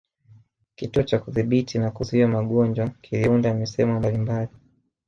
Kituo cha Kudhibiti na Kuzuia magonjwa kiliunda misemo mbalimbali